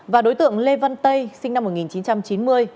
và đối tượng lê văn tây sinh năm một nghìn chín trăm chín mươi